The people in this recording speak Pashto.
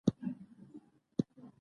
د شکایت حق د قانون تضمین دی.